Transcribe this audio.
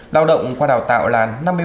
lao động qua đào tạo là năm mươi ba